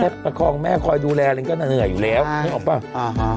แม่ประคองแม่คอยดูแลอะไรก็เหนื่อยอยู่แล้วใช่นึกออกเปล่าอ่าฮะ